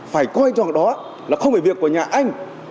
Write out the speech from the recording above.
phải coi trọng đó là không phải việc của nhà anh